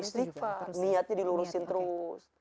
istighfar niatnya dilurusin terus